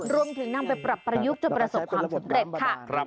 นำไปปรับประยุกต์จนประสบความสำเร็จค่ะ